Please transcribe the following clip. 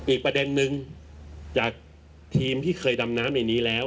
อีกประเด็นนึงจากทีมที่เคยดำน้ำในนี้แล้ว